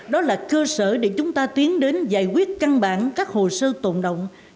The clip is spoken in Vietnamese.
đó là cơ sở để chúng ta tiến đến giải quyết căn bản các hồ sơ tồn động